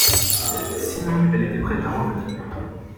Sinon elle était prête à revenir.